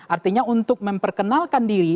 artinya untuk memperkenalkan diri